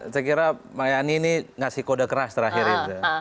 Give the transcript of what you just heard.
saya kira mbak yani ini ngasih kode keras terakhir ini